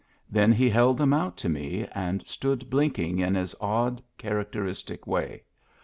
Then he held them out to me, and stood blinking in his odd, characteristic way.